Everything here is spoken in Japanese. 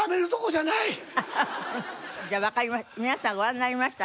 じゃあわかりました。